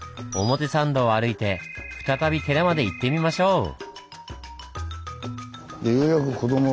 表参道を歩いて再び寺まで行ってみましょう。